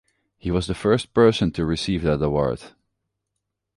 He was the first person to receive that award.